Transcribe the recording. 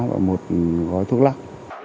và một gói thuốc lắc